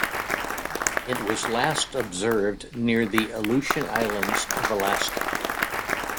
It was last observed near the Aleutian Islands of Alaska.